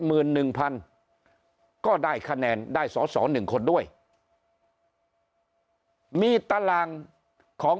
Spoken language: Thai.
หมื่นหนึ่งพันก็ได้คะแนนได้สอสอหนึ่งคนด้วยมีตารางของ